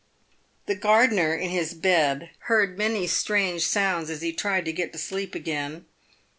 The gardener in his bed heard many strange sounds as he tried to get to sleep again.